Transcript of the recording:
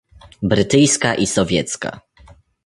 brytyjska i sowiecka